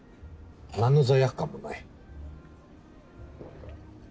何の罪悪感もない。